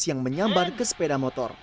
yang menyambar ke sepeda